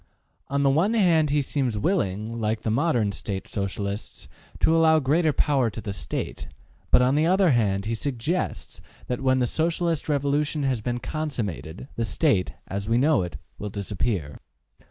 On the one hand he seems willing,, like the modern State Socialists, to allow great power to the State, but on the other hand he suggests that when the Socialist revolution has been consummated, the State, as we know it, will disappear.